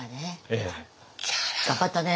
ええ。頑張ったね。